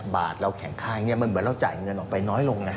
บาทเราแข็งค่าอย่างนี้มันเหมือนเราจ่ายเงินออกไปน้อยลงไง